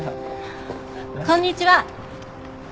こんにちは。